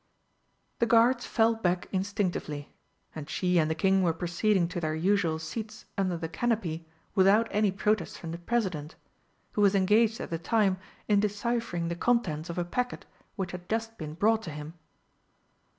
The guards fell back instinctively, and she and the King were proceeding to their usual seats under the canopy without any protest from the President, who was engaged at the time in deciphering the contents of a packet which had just been brought to him.